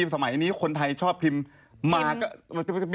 สมัยนี้คนไทยชอบพิมพ์มาก็